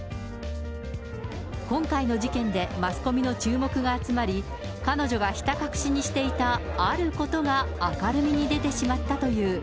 今回の事件でマスコミの注目が集まり、彼女がひた隠しにしていた、あることが、明るみに出てしまったという。